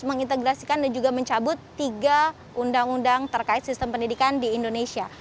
mengintegrasikan dan juga mencabut tiga undang undang terkait sistem pendidikan di indonesia